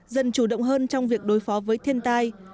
dần chủ động hơn trong việc đối phó với thiên tai